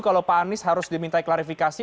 kalau pak anies harus diminta klarifikasi